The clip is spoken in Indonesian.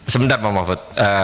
sebentar pak mahfud